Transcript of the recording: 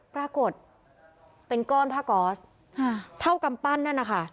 ปรากฏเป็นก้อนผ้าก๊อสเท่ากำปั้นนั่นนะคะ